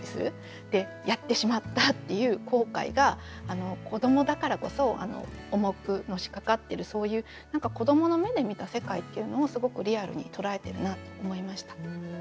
でやってしまったっていう後悔が子どもだからこそ重くのしかかってるそういう子どもの目で見た世界っていうのをすごくリアルに捉えてるなと思いました。